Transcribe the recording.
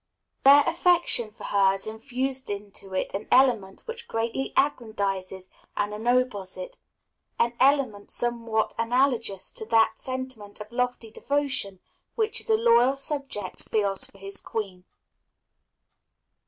Their affection for her has infused into it an element which greatly aggrandizes and ennobles it an element somewhat analogous to that sentiment of lofty devotion which a loyal subject feels for his queen.